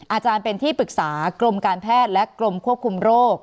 อาจารย์เป็นที่ปรึกษากรมการแพทย์และกรมควบคุมโรค